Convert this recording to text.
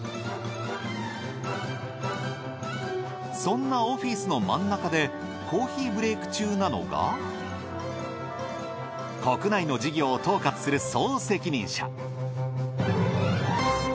そんなオフィスの真ん中でコーヒーブレイク中なのが国内の事業を統括する総責任者。